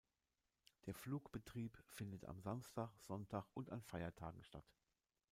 Der Flugbetrieb findet am Samstag, Sonntag und an Feiertagen statt.